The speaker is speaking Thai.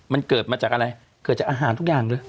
มันเกิดมาจากอะไรเกิดจากอาหารทุกอย่างเลย